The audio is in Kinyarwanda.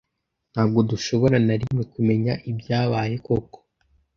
Ntabwo dushobora na rimwe kumenya ibyabaye koko.